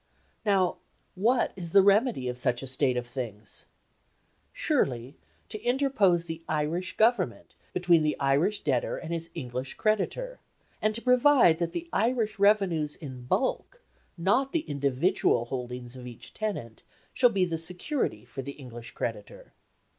Now, what is the remedy of such a state of things? Surely to interpose the Irish Government between the Irish debtor and his English creditor, and to provide that the Irish revenues in bulk, not the individual holdings of each tenant, shall be the security for the English creditor.